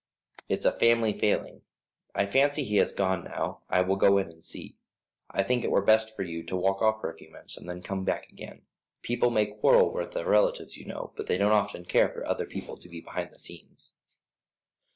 "It's a family failing. I fancy he has gone now. I will go in and see. I think it were best for you to walk off for a few minutes, and then come back again. People may quarrel with their relatives, you know, but they don't often care for other people to be behind the scenes."